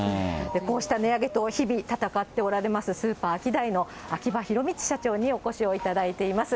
こうした値上げと日々闘っておられます、スーパーアキダイの秋葉弘道社長にお越しをいただいています。